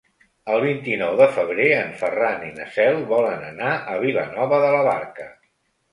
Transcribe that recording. El vint-i-nou de febrer en Ferran i na Cel volen anar a Vilanova de la Barca.